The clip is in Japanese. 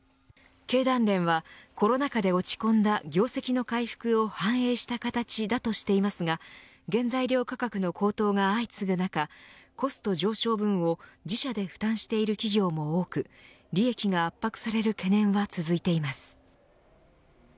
経団連はコロナ禍で落ち込んだ業績の回復を反映した形だとしていますが原材料価格の高騰が相次ぐ中コスト上昇分を自社で負担している企業も多く利益が圧迫される懸念は続いています。